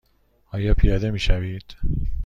آیا پیاده می شوید؟